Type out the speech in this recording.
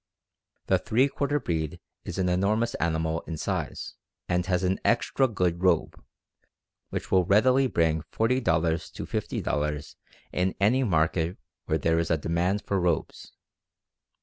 "The three quarter breed is an enormous animal in size, and has an extra good robe, which will readily bring $40 to $50 in any market where there is a demand for robes.